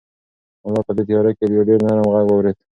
ملا په دې تیاره کې یو ډېر نرم غږ واورېد.